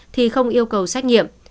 thì không yêu cầu xét nghiệm